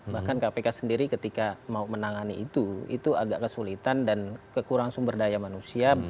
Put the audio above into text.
bahkan kpk sendiri ketika mau menangani itu itu agak kesulitan dan kekurangan sumber daya manusia